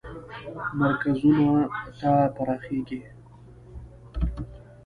مرکزونو ته پراخیږي.